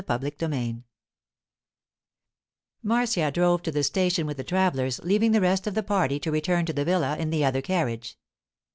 CHAPTER XVI MARCIA drove to the station with the travellers, leaving the rest of the party to return to the villa in the other carriage.